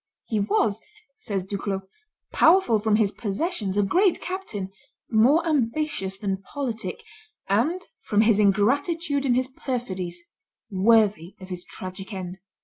"He was," says Duclos, "powerful from his possessions, a great captain, more ambitious than politic, and, from his ingratitude and his perfidies, worthy of his tragic end."